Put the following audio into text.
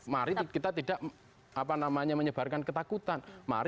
mari kita tidak apa namanya menyebarkan ketakutan